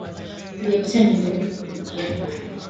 Mpiga picha ni mrefu kupindukia